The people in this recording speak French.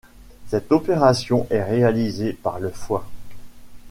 Cette opération est réalisée par le foie.